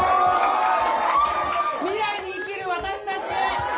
「未来に生きる私たちへ」！